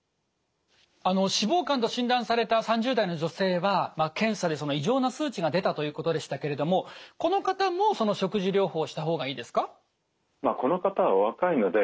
脂肪肝と診断された３０代の女性は検査で異常な数値が出たということでしたけれどもこの方も食事療法した方がいいですか？